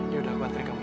yaudah aku antri kamu